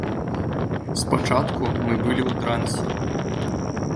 Спачатку мы былі ў трансе.